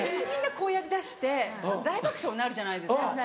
みんなこうやりだしてすると大爆笑になるじゃないですか。